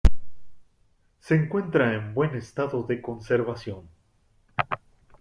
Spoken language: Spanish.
Se encuentra en buen estado de conservación.